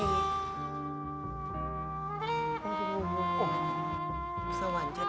โอ้โหสวรรค์ชัด